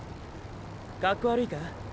かっこ悪いか？